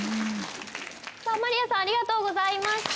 さあマリアさんありがとうございました。